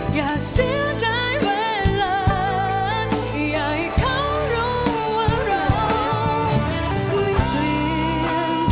บอกตัวเองสำเสริม